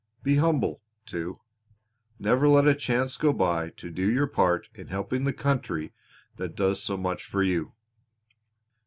Be humble, too. Never let a chance go by to do your part in helping the country that does so much for you."